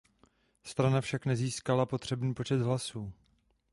Strana však nezískala potřebný počet hlasů.